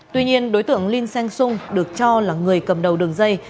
tuy nhiên đối tượng linh seng sung được cho là người cầm đầu đường dây